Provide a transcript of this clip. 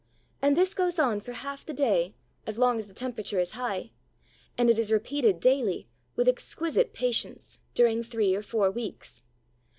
And this goes on for half the day, as long as the temperature is high; and it is repeated daily, with exquisite patience, during three or four weeks.